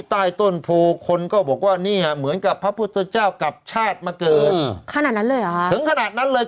ใต้ต้นพวกคอร์มก็บอกว่านี่เหมือนกับพระพฤตเจ้ากลับชาติมาเกิดถึงขนาดนั้นเลยหรอ